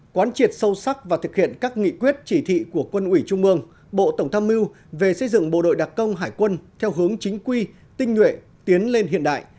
quán triệt sâu sắc và thực hiện các nghị quyết chỉ thị của quân ủy trung mương bộ tổng tham mưu về xây dựng bộ đội đặc công hải quân theo hướng chính quy tinh nhuệ tiến lên hiện đại